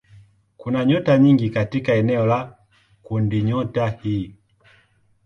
Kuna nyota nyingi katika eneo la kundinyota hii.